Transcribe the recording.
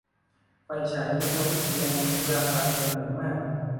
ไฟฉายยุทธวิธีอันนี้ราคาแพงอย่างมาก